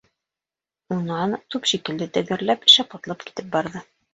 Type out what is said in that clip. Унан, туп шикелле тәгәрләп, шәп атлап китеп барҙы.